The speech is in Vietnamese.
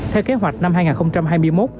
theo kế hoạch năm hai nghìn hai mươi một